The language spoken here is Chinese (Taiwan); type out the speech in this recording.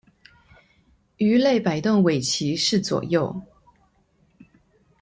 魚類擺動尾鰭是左右